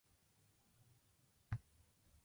エリザベス女王杯に私の全てをかけて勝ちにいきます。